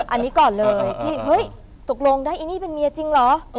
อันนี้ก่อนเลยตกลงได้อันนี้เป็นเมียจริงหรอ